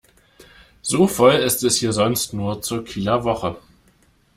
So voll ist es hier sonst nur zur Kieler Woche.